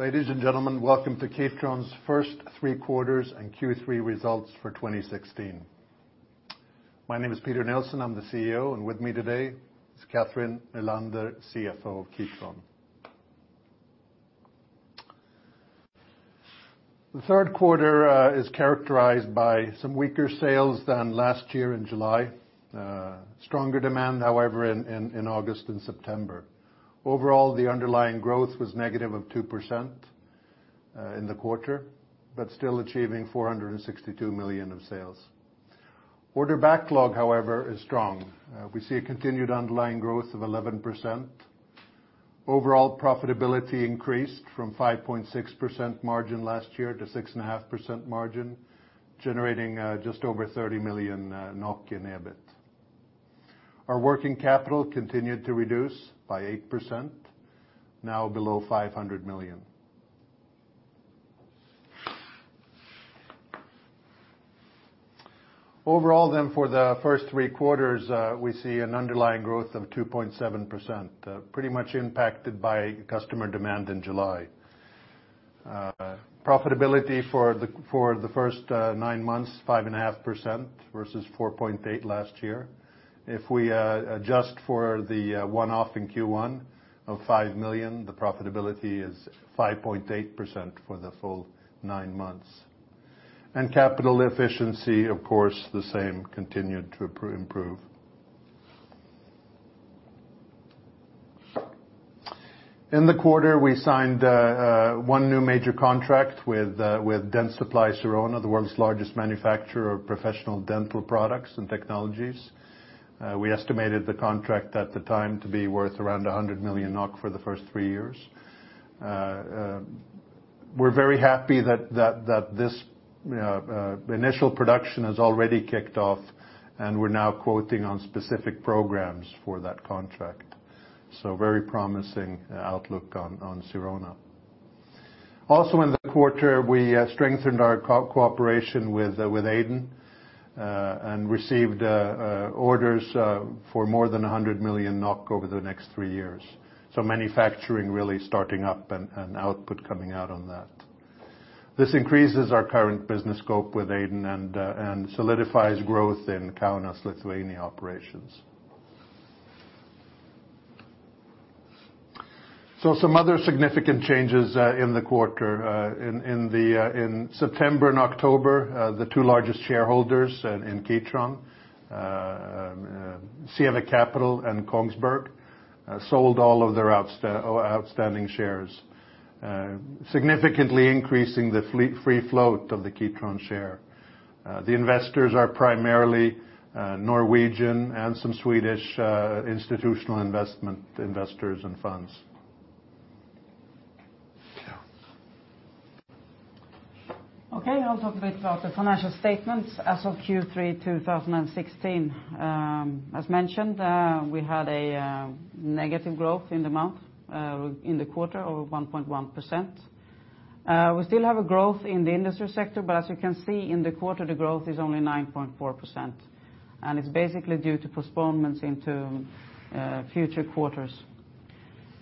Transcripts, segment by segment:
Ladies and gentlemen, welcome to Kitron's first three quarters and Q3 results for 2016. My name is Peter Nilsson, I'm the CEO. With me today is Cathrin Nylander, CFO of Kitron. The third quarter is characterized by some weaker sales than last year in July. Stronger demand, however, in August and September. Overall, the underlying growth was negative of 2% in the quarter, but still achieving 462 million of sales. Order backlog, however, is strong. We see a continued underlying growth of 11%. Overall profitability increased from 5.6% margin last year to 6.5% margin, generating just over 30 million NOK in EBIT. Our working capital continued to reduce by 8%, now below NOK 500 million. Overall, for the first three quarters, we see an underlying growth of 2.7%, pretty much impacted by customer demand in July. Profitability for the first nine months 5.5% versus 4.8% last year. If we adjust for the one-off in Q1 of 5 million, the profitability is 5.8% for the full nine months. Capital efficiency, of course, the same continued to improve. In the quarter, we signed one new major contract with Dentsply Sirona, the world's largest manufacturer of professional dental products and technologies. We estimated the contract at the time to be worth around 100 million NOK for the first three years. We're very happy that this initial production has already kicked off, and we're now quoting on specific programs for that contract. Very promising outlook on Sirona. Also in the quarter, we strengthened our cooperation with Aidon and received orders for more than 100 million NOK over the next three years. Manufacturing really starting up and output coming out on that. This increases our current business scope with Aidon and solidifies growth in Kaunas, Lithuania operations. Some other significant changes in the quarter in September and October, the two largest shareholders in Kitron, Sievi Capital and Kongsberg, sold all of their outstanding shares, significantly increasing the free float of the Kitron share. The investors are primarily Norwegian and some Swedish institutional investment, investors and funds. Okay, I'll talk a bit about the financial statements as of Q3 2016. As mentioned, we had a negative growth in the quarter of 1.1%. We still have a growth in the industry sector, but as you can see in the quarter, the growth is only 9.4%, and it's basically due to postponements into future quarters.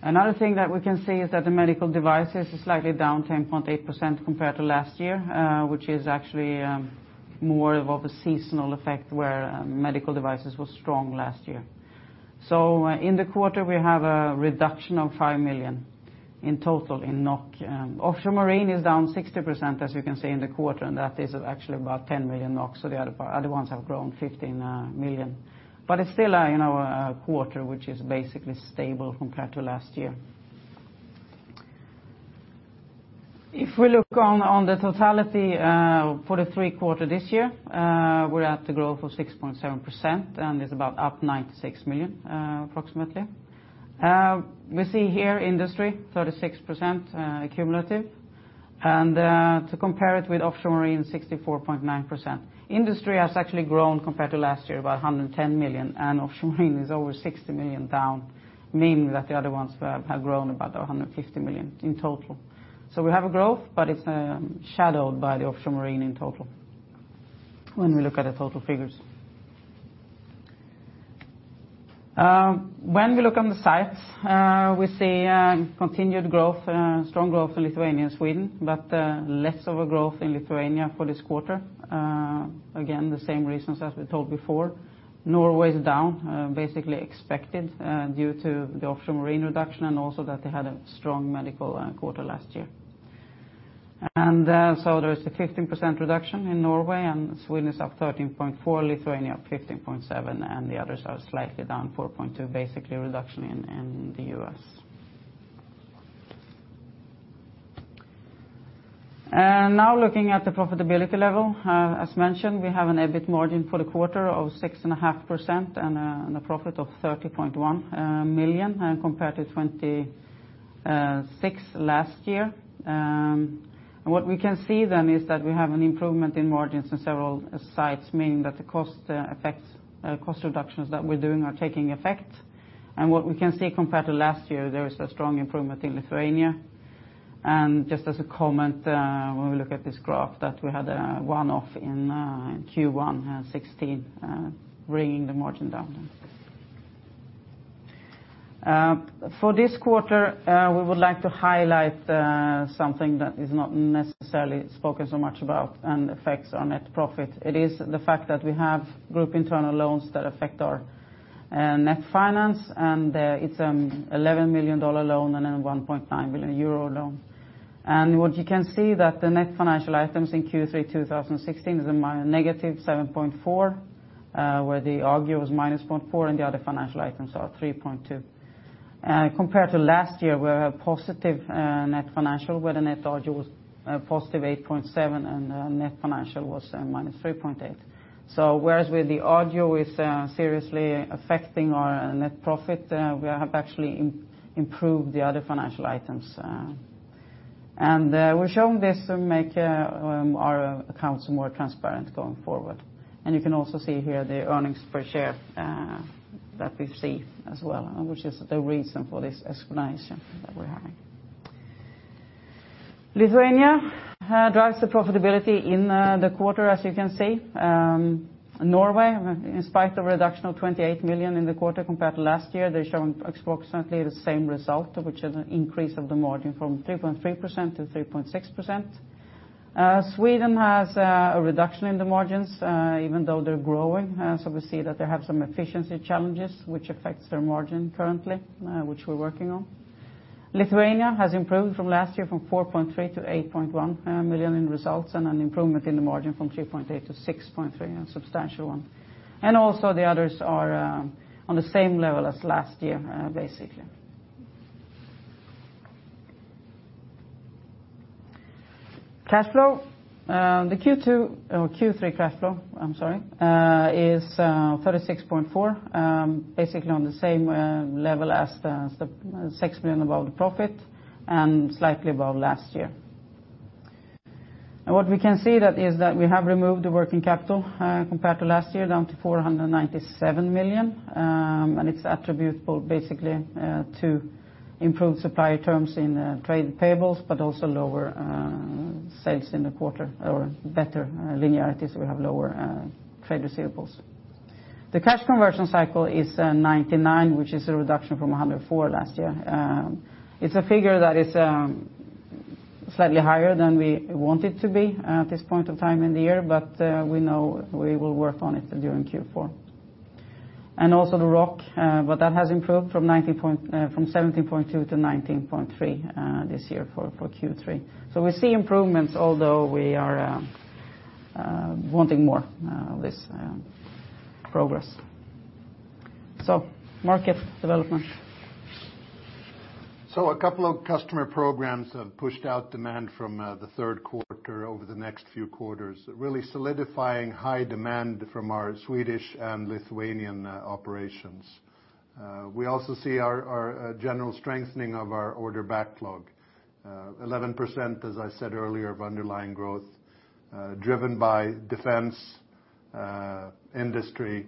Another thing that we can see is that the medical devices is slightly down 10.8% compared to last year, which is actually more of a seasonal effect where medical devices were strong last year. In the quarter, we have a reduction of 5 million in total. Offshore marine is down 60%, as you can see, in the quarter, and that is actually about 10 million NOK, so the other ones have grown 15 million. It's still, you know, a quarter which is basically stable compared to last year. If we look on the totality, for the three quarters this year, we're at the growth of 6.7%, and it's about up 96 million approximately. We see here industry, 36% cumulative, and to compare it with offshore marine, 64.9%. Industry has actually grown compared to last year, about 110 million, and offshore marine is over 60 million down, meaning that the other ones have grown about 150 million in total. We have a growth, but it's shadowed by the offshore marine in total when we look at the total figures. When we look on the sites, we see continued growth, strong growth in Lithuania and Sweden, but less of a growth in Lithuania for this quarter. Again, the same reasons as we told before. Norway is down, basically expected, due to the offshore marine reduction and also that they had a strong medical quarter last year. There is a 15% reduction in Norway and Sweden is up 13.4%, Lithuania up 15.7%, and the others are slightly down 4.2%, basically a reduction in the U.S. Now, looking at the profitability level, as mentioned, we have an EBIT margin for the quarter of 6.5% and a profit of 30.1 million, and compared to 26 million last year. What we can see then is that we have an improvement in margins in several sites, meaning that the cost effects, cost reductions that we're doing are taking effect. What we can see compared to last year, there is a strong improvement in Lithuania. Just as a comment, when we look at this graph, that we had a one-off in Q1 2016, bringing the margin down. For this quarter, we would like to highlight something that is not necessarily spoken so much about and affects our net profit. It is the fact that we have group internal loans that affect our net finance. It's $11 million loan and then 1.9 billion euro loan. What you can see that the net financial items in Q3 2016 is -7.4, where the RGU was -0.4, and the other financial items are 3.2. Compared to last year, we have positive net financial, where the net RGU was +8.7, and net financial was -3.8. Whereas with the RGU is seriously affecting our net profit, we have actually improved the other financial items. We're showing this to make our accounts more transparent going forward. You can also see here the earnings per share that we see as well, which is the reason for this explanation that we're having. Lithuania drives the profitability in the quarter, as you can see. Norway, in spite of a reduction of 28 million in the quarter compared to last year, they're showing approximately the same result, which is an increase of the margin from 3.3% to 3.6%. Sweden has a reduction in the margins, even though they're growing. We see that they have some efficiency challenges which affects their margin currently, which we're working on. Lithuania has improved from last year from 4.3 million to 8.1 million in results and an improvement in the margin from 3.8% to 6.3%, a substantial one. The others are on the same level as last year, basically. Cash flow. The Q2, or Q3 cash flow, I'm sorry, is 36.4, basically on the same level as the 6 million above the profit and slightly above last year. Now, what we can see is that we have removed the working capital compared to last year, down to 497 million, and it's attributable basically to improved supplier terms in trade payables but also lower sales in the quarter or better linearities. We have lower trade receivables. The cash conversion cycle is 99, which is a reduction from 104 last year. It's a figure that is slightly higher than we want it to be at this point of time in the year, but we know we will work on it during Q4. Also the ROC, but that has improved from 17.2 to 19.3 this year for Q3. We see improvements although we are wanting more of this progress. Market development. A couple of customer programs have pushed out demand from the third quarter over the next few quarters, really solidifying high demand from our Swedish and Lithuanian operations. We also see our general strengthening of our order backlog. 11%, as I said earlier, of underlying growth, driven by defense industry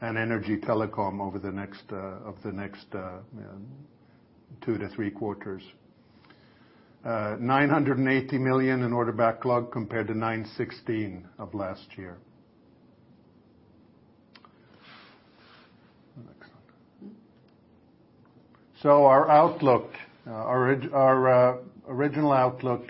and energy telecom over the next of the next two to three quarters. 980 million in order backlog compared to 916 million of last year. Next slide. Our outlook. Our original outlook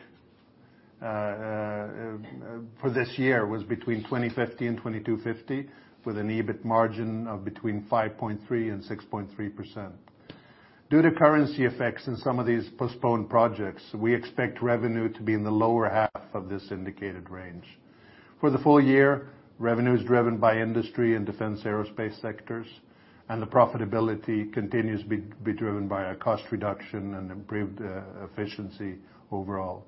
for this year was between 2,050 million and 2,250 million with an EBIT margin of between 5.3% and 6.3%. Due to currency effects in some of these postponed projects, we expect revenue to be in the lower half of this indicated range. For the full year, revenue is driven by industry and defense aerospace sectors, and the profitability continues be driven by a cost reduction and improved efficiency overall.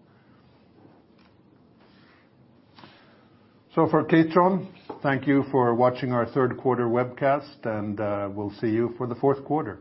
For Kitron, thank you for watching our third-quarter webcast, and we'll see you for the fourth quarter.